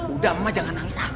udah emang jangan nangis ah